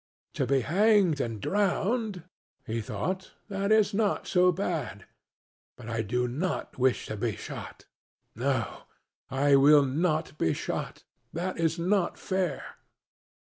"To be hanged and drowned," he thought, "that is not so bad; but I do not wish to be shot. No; I will not be shot; that is not fair."